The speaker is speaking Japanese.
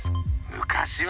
「昔は！